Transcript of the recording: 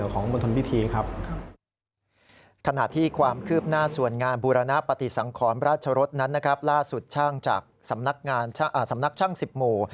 ขณะที่ความคืบหน้าส่วนงานบุรณปฏิสังขรรมราชรศนั้นล่าสุดช่างจากสำนักช่างสิบพล